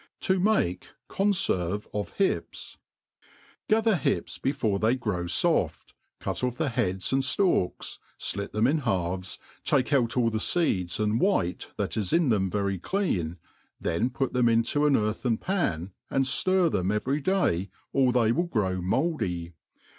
TV mah C^nfirvi 9f Htps. GATHER hips before thev grow foft, cut off the heads and ftalks, flit them in halves, take out all the feeds and White ihat is in them very clean, then put them into an earthen pan, and ftjr them every day, or they will grow mouldy.